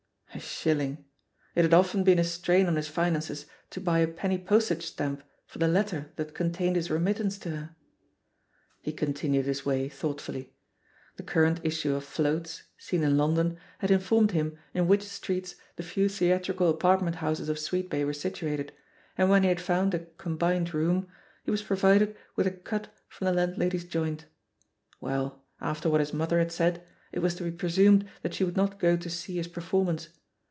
^ A shilling! It had often been a strain on his finances to buy a penny postage stamp for the letter that contained his remittance to her. He continued his way thoughtfully. The current issue of Floats, seen in London, had in formed him in which streets the few theatrical apartment houses of Sweetbay were situated, and when he had foimd a "combined room," he was provided with a cut from the landlady's joint. .Wen, after what his mother had said, it was to foe presumed that she would not go to see his performance.